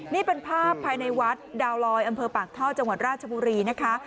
นี่เป็นภาพภายในวัดดาวลอยอำเภอปากท่อจังหวัดราชบุรีนะคะ